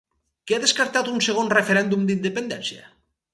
Qui ha descartat un segon referèndum d'independència?